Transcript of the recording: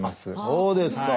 そうですか。